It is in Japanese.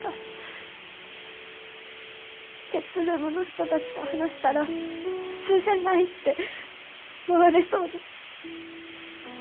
ＳＴＥＰルームの人たちと話したら普通じゃないって思われそうで。